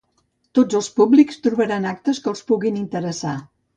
Tots els públics trobaran actes que els puguin interessar.